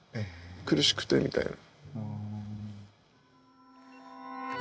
苦しくてみたいな。